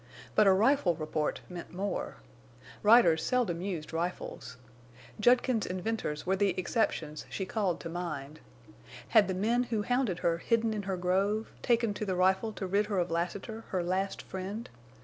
But a rifle report meant more. Riders seldom used rifles. Judkins and Venters were the exceptions she called to mind. Had the men who hounded her hidden in her grove, taken to the rifle to rid her of Lassiter, her last friend?